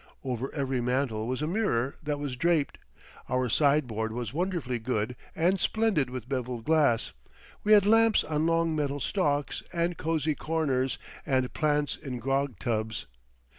Over every mantel was a mirror that was draped, our sideboard was wonderfully good and splendid with beveled glass, we had lamps on long metal stalks and cozy corners and plants in grog tubs.